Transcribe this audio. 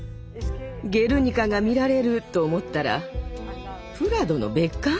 「ゲルニカ」が見られる！と思ったらプラドの別館？